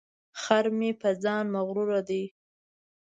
خر مې په ځان مغروره دی.